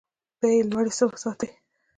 بیې لوړې وساتي.